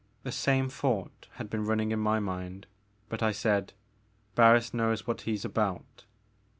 " The same thought had been running in my mind, but I said :Barris knows what he 's about."